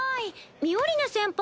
ミオリネ先輩